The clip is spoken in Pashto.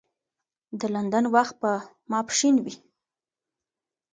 د لندن وخت په ماپښین و.